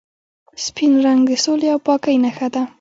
سپین رنګ د سولې او پاکۍ نښه ده.